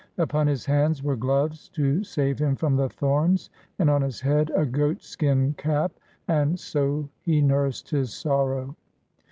Upon his hands were gloves, to save him from the thorns, and on his head a goatskin cap ; and so he nursed his sorrow.